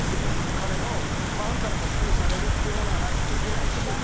彼のファンからも支持されるっていうものがないとできないし。